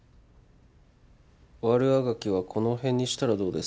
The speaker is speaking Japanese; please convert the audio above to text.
悪あがきはこの辺にしたらどうですか。